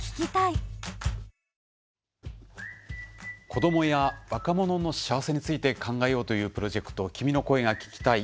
子どもや若者の幸せについて考えようというプロジェクト「君の声が聴きたい」。